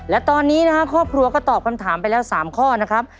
และตอนนี้นะครับครอบครัวก็ตอบคำถามไปแล้ว๓ข้อนะครับ